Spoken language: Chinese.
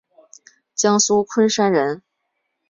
江苏昆山人。